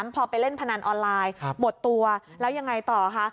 พอไปเล่นพนันออนไลน์หมดตัวแล้วยังไงต่อคะ